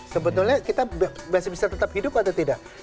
sebetulnya kita bisa tetap hidup atau tidak